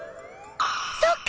そっか！